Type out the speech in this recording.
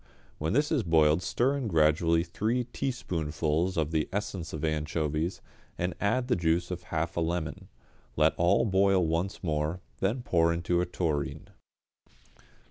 When this has boiled stir in gradually three teaspoonfuls of the essence of anchovies, and add the juice of half a lemon; let all boil once more, then pour into a tureen.